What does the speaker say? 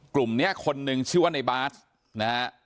กลุ่มนี้คนนึงชื่อว่าในบาสนะฮะ